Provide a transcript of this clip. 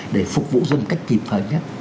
để phục vụ dân cách kịp thời nhất